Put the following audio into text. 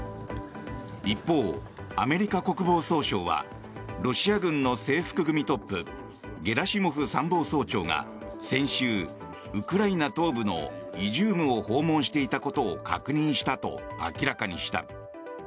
一方、アメリカ国防総省はロシア軍の制服組トップゲラシモフ参謀総長が先週、ウクライナ東部のイジュームを訪問していたことを確認したと明らかにした。